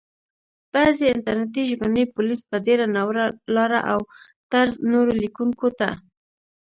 بعضي انټرنټي ژبني پوليس په ډېره ناوړه لاره او طرز نورو ليکونکو ته